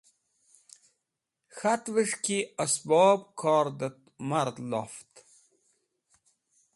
K̃hatvẽs̃h ki esbob kordẽt mad loft.